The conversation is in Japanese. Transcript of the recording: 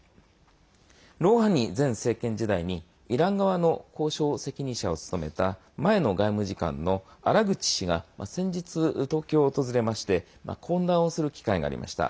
ロウハニ前政権時代にイラン側の交渉責任者を務めた前の外務次官のアラグチ氏が先日、東京を訪れまして懇談をする機会がありました。